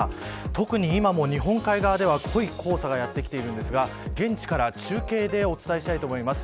特に今も日本海側では濃い黄砂がやってきているんですが現地から中継でお伝えしたいと思います。